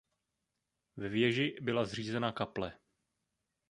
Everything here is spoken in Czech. Ve věži byla zřízena kaple.